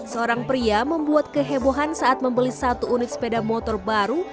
seorang pria membuat kehebohan saat membeli satu unit sepeda motor baru